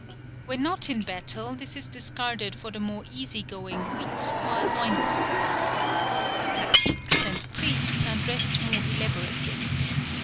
When not in battle this is discarded for the more easy going uit or loin cloth. Caciques and priests are dressed more elaborately.